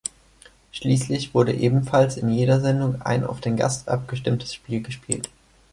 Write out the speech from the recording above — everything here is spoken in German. Schließlich wurde ebenfalls in jeder Sendung ein auf den Gast abgestimmtes Spiel gespielt.